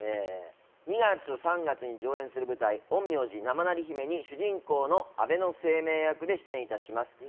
２月、３月に上演する舞台、「陰陽師生成り姫」に主人公の安倍晴明役で出演いたします。